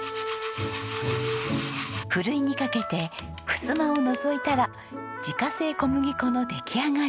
ふるいにかけてふすまを除いたら自家製小麦粉の出来上がり。